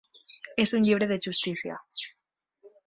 És un llibre de justícia.